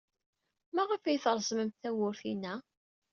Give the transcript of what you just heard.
Maɣef ay treẓmemt tawwurt-inna?